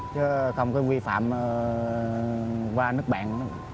chứ không có vi phạm qua nước bạn